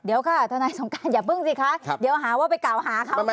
เดี๋ยวค่ะทนายสงการอย่าเพิ่งสิคะเดี๋ยวหาว่าไปกล่าวหาเขานะ